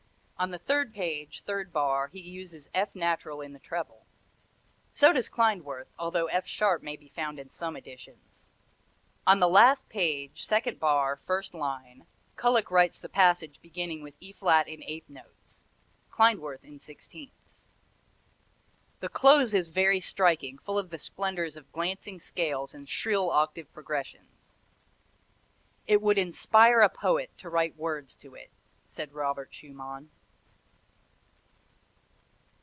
On the third page, third bar, he uses F natural in the treble. So does Klindworth, although F sharp may be found in some editions. On the last page, second bar, first line, Kullak writes the passage beginning with E flat in eighth notes, Klindworth in sixteenths. The close is very striking, full of the splendors of glancing scales and shrill octave progressions. "It would inspire a poet to write words to it," said Robert Schumann.